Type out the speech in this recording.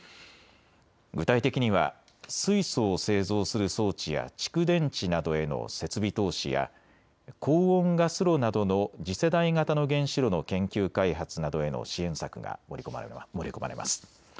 具体的には水素を製造する装置や蓄電池などへの設備投資や高温ガス炉などの次世代型の原子炉の研究開発などへの支援策が盛り込まれます。